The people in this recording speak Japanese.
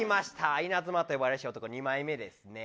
稲妻と呼ばれし男２枚目ですね。